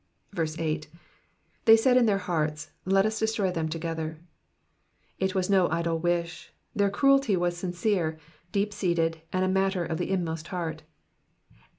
8. '"'They mid in their hearts, Let vs destroy them together,'*'* It was no idle wish, their cnxelty was sincere, deep seated, a matter of their inmost heart.